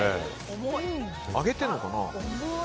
揚げてるのかな？